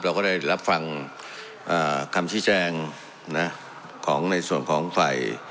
เราก็ได้รับฟังคำชี้แจงนะของในส่วนของฝ่าย